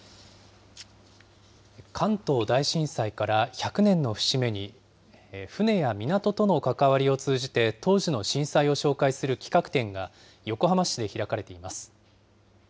関東大震災から１００年の節目に、船や港との関わりを通じて、当時の震災を紹介する企画展が、横浜市で開かれています。